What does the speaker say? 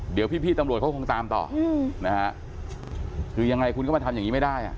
เดี๋ยวพี่ตำรวจเขาคงตามต่อนะฮะคือยังไงคุณก็มาทำอย่างนี้ไม่ได้อ่ะ